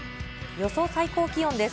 予想最高気温です。